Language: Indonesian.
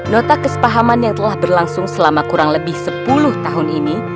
nota kesepahaman yang telah berlangsung selama kurang lebih sepuluh tahun ini